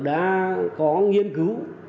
đã có nghiên cứu